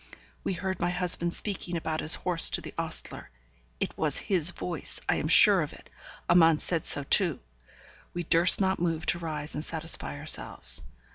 We heard my husband speaking about his horse to the ostler. It was his voice. I am sure of it. Amante said so too. We durst not move to rise and satisfy ourselves.